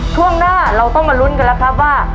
ช่วงหน้าเราต้องมาลุ้นกันแล้วครับว่า